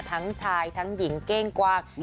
ทั้งชายทั้งหญิงเก้งกว้าง